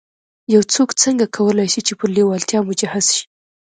يو څوک څنګه کولای شي چې پر لېوالتیا مجهز شي.